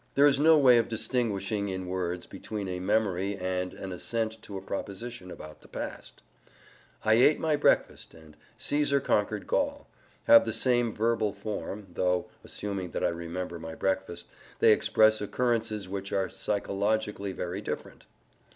There is no way of distinguishing, in words, between a memory and an assent to a proposition about the past: "I ate my breakfast" and "Caesar conquered Gaul" have the same verbal form, though (assuming that I remember my breakfast) they express occurrences which are psychologically very different.